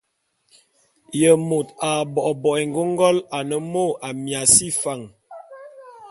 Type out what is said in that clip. Ye môt a bo a bo'ok éngôngol ane mô Amiasi Fan?